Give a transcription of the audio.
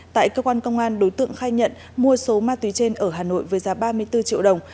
tại cơ quan công an đối tượng khai nhận mua số ma túy trên ở hà nội với giá ba mươi bốn triệu đồng